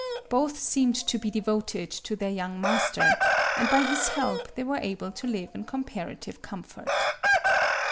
Both seemed to be devoted to their young master; and by his help they were able to live in comparative comfort.